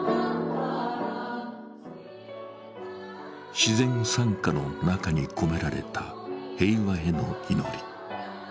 自然讃歌の中に込められた平和への祈り。